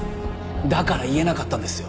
だから言えなかったんですよ。